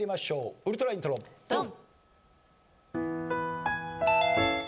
ウルトライントロドン！